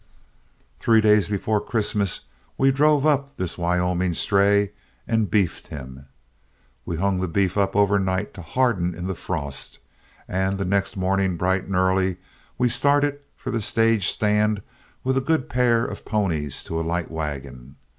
"Three days before Christmas we drove up this Wyoming stray and beefed him. We hung the beef up overnight to harden in the frost, and the next morning bright and early, we started for the stage stand with a good pair of ponies to a light wagon.